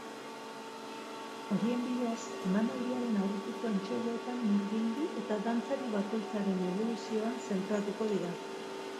Horien bidez, emanaldiaren aurretiko entseguetan murgildu eta dantzari bakoitzaren eboluzioan zentratuko dira.